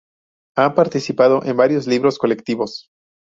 Ha participado en varios libros colectivos.